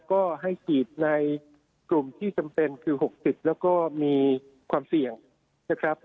ก็ให้ฉีดในกลุ่มที่จำเป็นคือ๖๐แล้วก็มีความเสี่ยงนะครับ